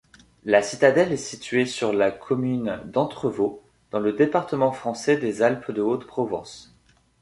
La citadelle est située sur la commune d'Entrevaux, dans le département français des Alpes-de-Haute-Provence.